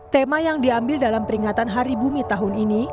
tema yang diambil dalam peringatan hari bumi tahun ini